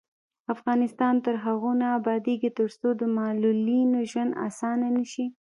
افغانستان تر هغو نه ابادیږي، ترڅو د معلولینو ژوند اسانه نشي.